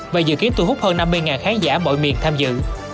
và dự kiến thu hút hơn năm mươi khán giả mọi miền tham dự